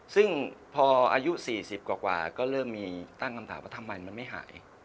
ซึ่งพออายุ๔๐กว่าก็เริ่มมีตั้งคำถามว่าทำไมมันไม่หาย